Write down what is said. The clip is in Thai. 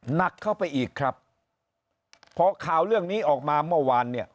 หนักเข้าไปอีกครับพอข่าวเรื่องนี้ออกมาเมื่อวานเนี่ย